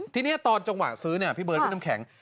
ทีนี้ตอนจังหวะซื้อเนี่ยพี่เบิร์ดพี่น้ำแข็ง